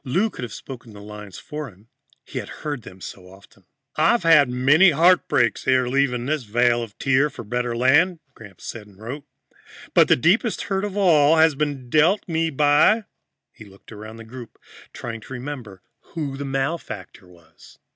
Lou could have spoken his lines for him, he had heard them so often. "I have had many heartbreaks ere leaving this vale of tears for a better land," Gramps said and wrote. "But the deepest hurt of all has been dealt me by " He looked around the group, trying to remember who the malefactor was.